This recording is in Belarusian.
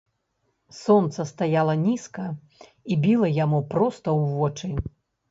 Сонца стаяла нізка і біла яму проста ў вочы.